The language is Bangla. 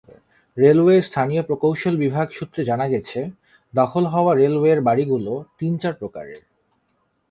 রেলওয়ে স্থানীয় প্রকৌশল বিভাগ সূত্রে জানা গেছে, দখল হওয়া রেলওয়ের বাড়িগুলো তিন-চার প্রকারের।